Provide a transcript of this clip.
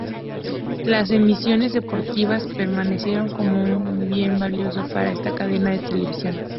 Las emisiones deportivas permanecieron como un bien valioso para esa cadena de televisión.